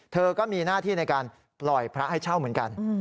เธอก็มีหน้าที่ในการปล่อยพระให้เช่าเหมือนกัน